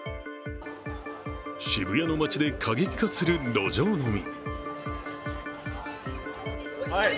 渋谷の街で過激化する路上飲み。